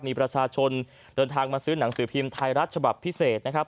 มีประชาชนเดินทางมาซื้อหนังสือพิมพ์ไทยรัฐฉบับพิเศษนะครับ